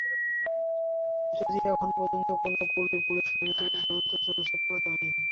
যদিও এখন পর্যন্ত কোনো ক্লু-ই পুলিশ পায়নি, তবে তদন্ত চলছে পুরোদমেই।